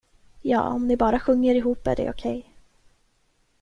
Ja, om ni bara sjunger ihop är det okej.